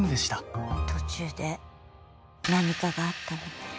途中で何かがあったんだね。